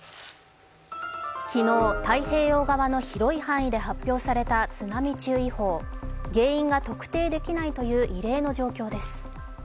昨日、太平洋側の広い範囲で発表された津波注意報、原因が特定できないという異例の状況です。